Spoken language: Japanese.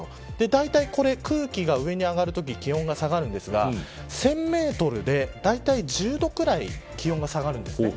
だいたい空気が上に上がるとき気温が下がるんですが１０００メートルでだいたい１０度くらい気温が下がるんですね。